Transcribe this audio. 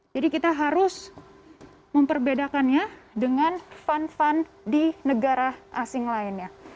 jadi kita harus memperbedakannya dengan fund fund di negara asing lainnya